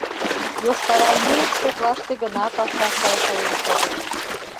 Йошкарармеец коклаште гына паша сай каен шогыш.